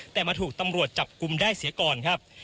แต่มาถูกตำรวจจับกลุ่มได้เสียก่อนครับ